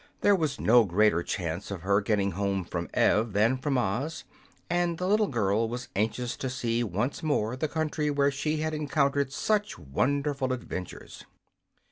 There was no greater chance of her getting home from Ev than from Oz, and the little girl was anxious to see once more the country where she had encountered such wonderful adventures.